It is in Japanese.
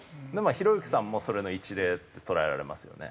ひろゆきさんもそれの一例って捉えられますよね。